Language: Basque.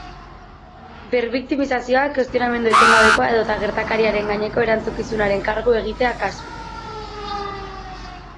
Berbiktimizazioa, kuestionamendu etengabekoa edota gertakariaren gaineko erantzukizunaren kargu egitea kasu.